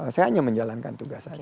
saya hanya menjalankan tugas saja